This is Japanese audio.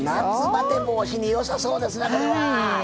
夏バテ防止によさそうですなこれは！